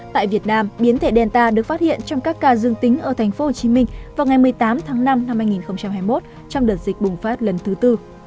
tại việt nam biến thể delta được phát hiện trong các ca dương tính ở tp hcm vào ngày một mươi tám tháng năm năm hai nghìn hai mươi một trong đợt dịch bùng phát lần thứ tư